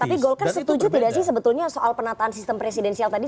tapi golkar setuju tidak sih sebetulnya soal penataan sistem presidensial tadi